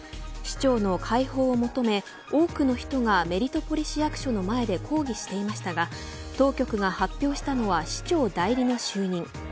市長の開放を求め、多くの人がメルトポリ市役所の前で抗議していましたが当局が発表したのは市長代理の就任。